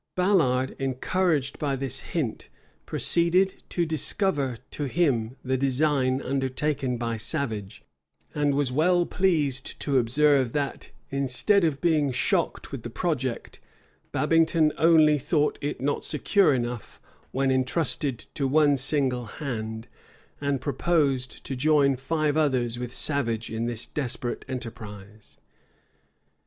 Ballard, encouraged by this hint, proceeded to discover to him the design undertaken by Savage;[*] and was well pleased to observe that, instead of being shocked with the project, Babington only thought it not secure enough, when intrusted to one single hand, and proposed to join five others with Savage in this desperate enterprise. * Camden, p. 515. State Trials, p. 114.